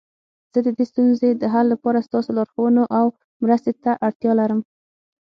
زه د دې ستونزې د حل لپاره ستاسو لارښوونو او مرستي ته اړتیا لرم